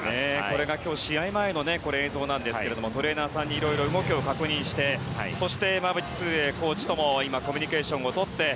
これが今日試合前の映像ですがトレーナーさんにいろいろ動きを確認してそして馬淵崇英コーチとも今コミュニケーションをとって。